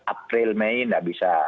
april mei tidak bisa